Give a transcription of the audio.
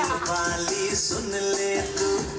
mali bali suneliku